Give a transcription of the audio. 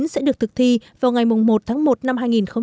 sẽ được thực thi vào ngày một tháng một năm hai nghìn hai mươi